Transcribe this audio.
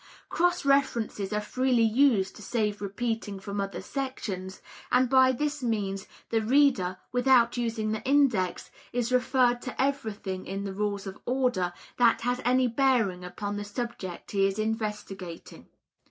Cross references are freely used to save repeating from other sections, and by this means the reader, without using the index, is referred to everything in the Rules of Order that has any bearing upon the subject he is investigating.